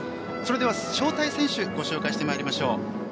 それでは招待選手ご紹介してまいりましょう。